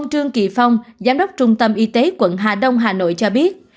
trương kỳ phong giám đốc trung tâm y tế quận hà đông hà nội cho biết